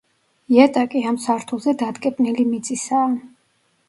იატაკი ამ სართულზე დატკეპნილი მიწისაა.